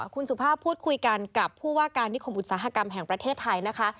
คุณสุภาพพูดคุยกันกับผู้ว่าการนิคมอุตสาหกรรมแห่งประเทศไทยนะคะ